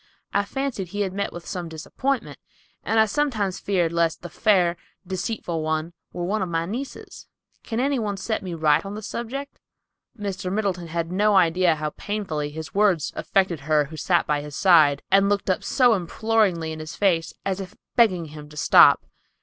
I fancied he had met with some disappointment and I sometimes feared lest the fair, deceitful one were one of my nieces. Can any one set me right on the subject?" Mr. Middleton had no idea how painfully his words affected her who sat by his side, and looked up so imploringly in his face, as if begging him to stop.